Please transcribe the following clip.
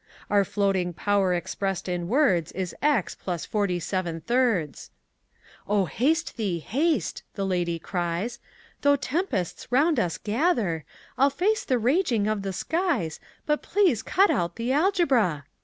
Our floating power expressed in words Is X + 47/3" "Oh, haste thee, haste," the lady cries, "Though tempests round us gather I'll face the raging of the skies But please cut out the Algebra."